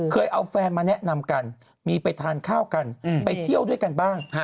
เอาแฟนมาแนะนำกันมีไปทานข้าวกันไปเที่ยวด้วยกันบ้าง